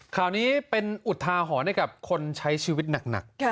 ข่าวนี้เป็นอุทาหรณ์ให้กับคนใช้ชีวิตหนัก